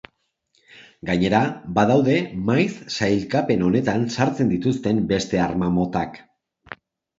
Gainera, badaude maiz sailkapen honetan sartzen dituzten beste arma motak.